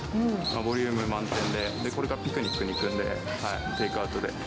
ボリューム満点で、これからピクニック行くんで、テイクアウトで。